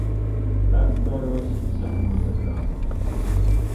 Так здарылася і са мной за кратамі.